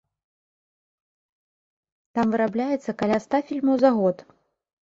Там вырабляецца каля ста фільмаў за год.